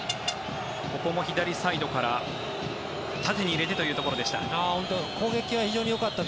ここも左サイドから縦に入れてというところでした。